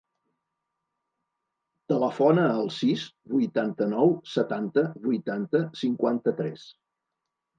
Telefona al sis, vuitanta-nou, setanta, vuitanta, cinquanta-tres.